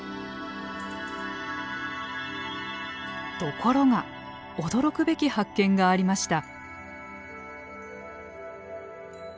ところが驚くべき発見がありました。